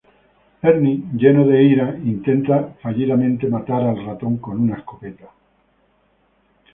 Ernie lleno de ira intenta fallidamente matar al ratón con una escopeta.